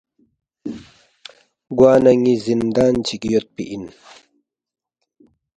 گوانہ ن٘ی زِندان چِک یودپی اِن،